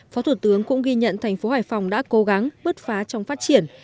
phó thủ tướng cũng ghi nhận thành phố hải phòng đã cố gắng bứt phá trong phát triển